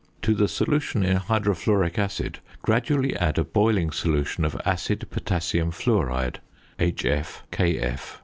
To the solution in hydrofluoric acid gradually add a boiling solution of acid potassium fluoride (HF, KF.).